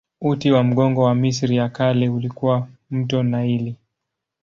Uti wa mgongo wa Misri ya Kale ulikuwa mto Naili.